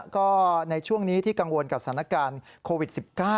ก็ในช่วงนี้ที่กังวลกับสถานการณ์โควิด๑๙